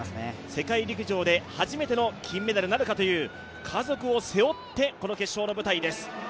世界陸上で、初めての金メダルなるかという家族を背負ってこの決勝の舞台です。